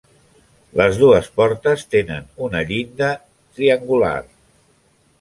Les dues portes tenen una llinda triangular.